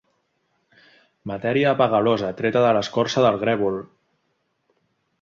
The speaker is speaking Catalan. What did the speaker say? Matèria apegalosa treta de l'escorça del grèvol.